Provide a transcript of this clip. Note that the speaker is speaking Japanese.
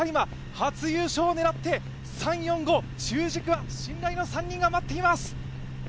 初優勝を狙って３、４、５、中軸は信頼の３人が待っています！